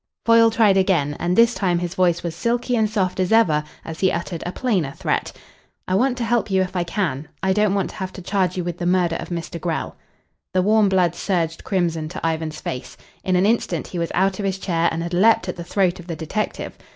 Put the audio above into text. Foyle tried again, and this time his voice was silky and soft as ever as he uttered a plainer threat. "I want to help you if I can. I don't want to have to charge you with the murder of Mr. Grell." The warm blood surged crimson to Ivan's face. In an instant he was out of his chair and had leapt at the throat of the detective.